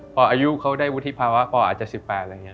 พออายุเขาได้วุฒิภาวะพออาจจะ๑๘อะไรอย่างนี้